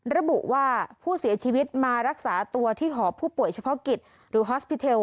ระบุว่าผู้เสียชีวิตมารักษาตัวที่หอผู้ป่วยเฉพาะกิจหรือฮอสปิเทล